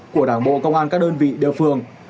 của đảng bộ công an các đơn vị địa phương